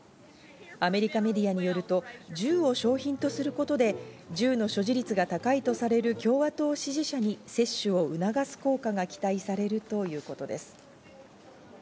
アメリカメディアによると、銃を賞品とすることで銃の所持率が高いとされる共和党支持者に接種を促す効果が期待されるということです。